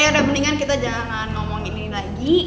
ya ya udah mendingan kita jangan ngomongin ini lagi